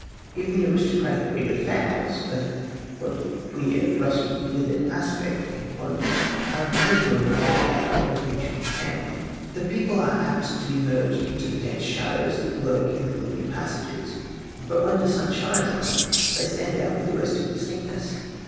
Even the aristocratic breed of fowls, of "queer, rusty, withered aspect," are an emblem of the decay of the Pyncheon family. The people are apt to be merged into the dense shadows that lurk in the gloomy passages, but when the sun shines on them they stand out with arresting distinctness.